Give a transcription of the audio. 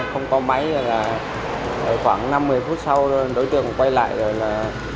không có máy là khoảng năm mươi phút sau đối tượng quay lại rồi là